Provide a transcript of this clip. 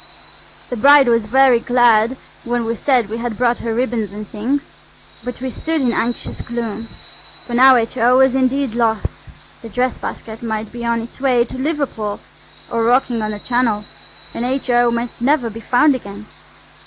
The bride was very glad when we said we had brought her ribbons and things, but we stood in anxious gloom, for now H.O. was indeed lost. The dress basket might be on its way to Liverpool, or rocking on the Channel, and H.O. might never be found again.